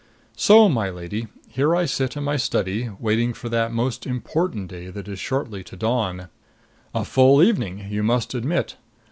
So, my lady, here I sit in my study, waiting for that most important day that is shortly to dawn. A full evening, you must admit.